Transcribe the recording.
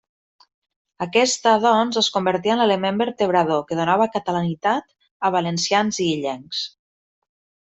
Aquesta, doncs, es convertia en l'element vertebrador que donava catalanitat a valencians i illencs.